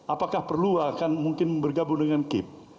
apakah perlu akan mungkin bergabung dengan kip